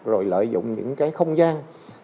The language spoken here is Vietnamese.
rồi lợi dụng những không gian